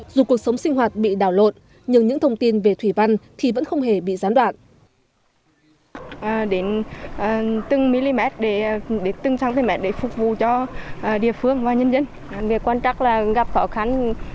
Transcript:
dù cuộc sống sinh hoạt bị đảo lộn nhưng những thông tin về thủy văn thì vẫn không hề bị gián đoạn